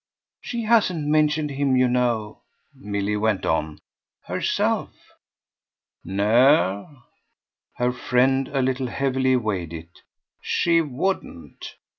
She hasn't mentioned him, you know," Milly went on, "herself." "No" her friend a little heavily weighed it "she wouldn't.